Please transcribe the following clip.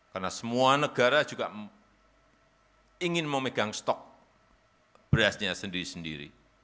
karena semua negara juga ingin memegang stok berasnya sendiri sendiri